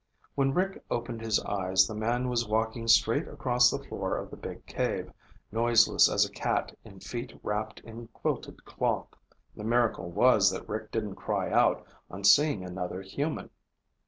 When Rick opened his eyes the man was walking straight across the floor of the big cave, noiseless as a cat in feet wrapped in quilted cloth. The miracle was that Rick didn't cry out on seeing another human.